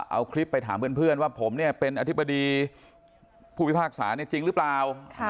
เอาคลิปไปถามเพื่อนว่าผมเนี่ยเป็นอธิบดีผู้พิพากษาเนี่ยจริงหรือเปล่า